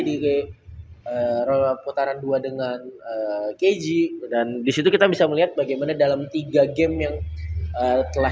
di putaran dua dengan keji dan disitu kita bisa melihat bagaimana dalam tiga game yang telah